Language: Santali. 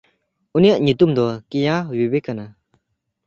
ᱩᱱᱤᱭᱟᱜ ᱧᱩᱛᱩᱢ ᱫᱚ ᱠᱮᱭᱟᱶᱤᱣᱮ ᱠᱟᱱᱟ᱾